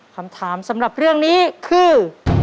คำถามสำหรับเรื่องนี้คือ